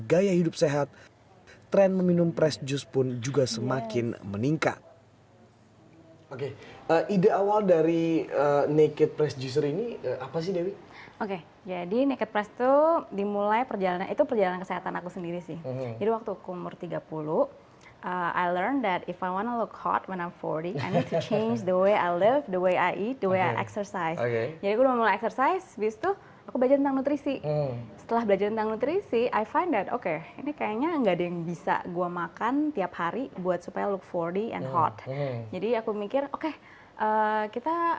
mari kita membuat makanan kembali ke tujuan sebenarnya untuk menghilangkan tubuh kita